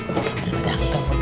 dari tadi aku taruh motor